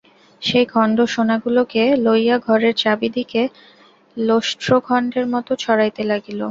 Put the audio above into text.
সেই খণ্ড সোনাগুলোকে লইয়া ঘরের চারি দিকে লোষ্ট্রখণ্ডের মতো ছড়াইতে লাগিল।